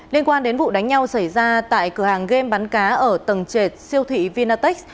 liên quan đến vụ đánh nhau xảy ra tại cửa hàng game bắn cá ở tầng trệt siêu thị vinatech